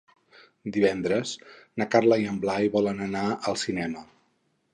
Divendres na Carla i en Blai volen anar al cinema.